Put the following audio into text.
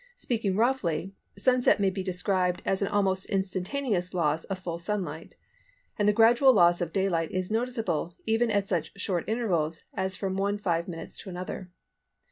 Speaking roughly, sunset may be described as an almost instantaneous loss of full sunlight; and the gradual loss of daylight is noticeable even at such short intervals as from one five minutes to another.